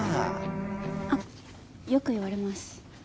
あっよく言われます。